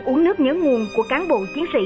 uống nước nhớ nguồn của cán bộ chiến sĩ